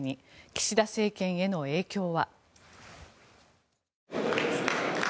岸田政権への影響は。